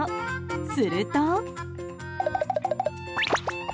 すると。